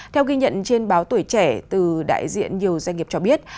theo ghi nhận trên báo tuổi trẻ từ đại diện nhiều doanh nghiệp cho biết